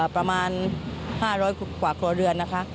ประมาณ๕๐๐กว่าครัวเรือนนะคะ